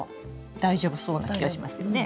大丈夫そうな気がしますよね。